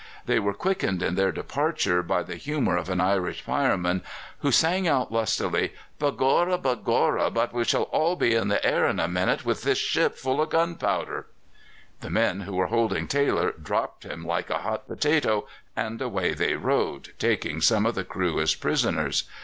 They were quickened in their departure by the humour of an Irish fireman, who sang out lustily: "Begorra! begorra! but we shall all be in the air in a minute, with this ship full of gunpowder!" The men who were holding Taylor dropped him "like a hot potato," and away they rowed, taking some of the crew as prisoners.